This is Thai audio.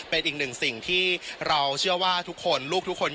เป็นอีกหนึ่งสิ่งที่เราเชื่อว่าทุกคนลูกทุกคน